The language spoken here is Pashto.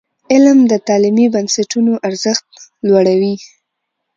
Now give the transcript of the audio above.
علم د تعلیمي بنسټونو ارزښت لوړوي.